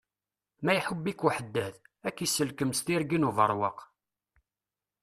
Ma iḥubb-ik uḥeddad, ak iselqem s tirgin ubeṛwaq.